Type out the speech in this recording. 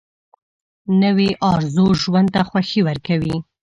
نوې ارزو ژوند ته خوښي ورکوي